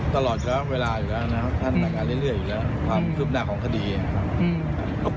ทริปหน้าของคดีเอง